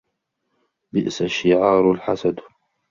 بئس الشعار الحسد